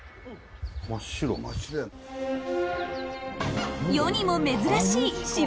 真っ白。